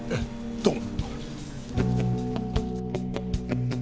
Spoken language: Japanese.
どうも。